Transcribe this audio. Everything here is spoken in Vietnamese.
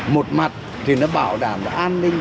một mặt thì nó bảo đảm là an ninh